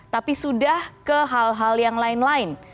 tapi sudah ke hal hal yang lain lain